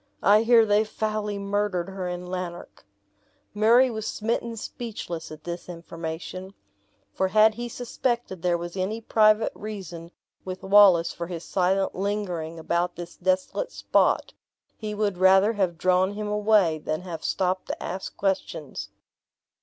I hear they foully murdered her in Lanark." Murray was smitten speechless at this information; for had he suspected there was any private reason with Wallace for his silent lingering about this desolate spot, he would rather have drawn him away than have stopped to ask questions.